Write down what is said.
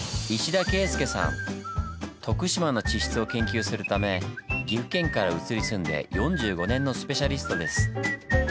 徳島の地質を研究するため岐阜県から移り住んで４５年のスペシャリストです。